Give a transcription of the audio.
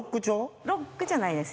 ロックじゃないです。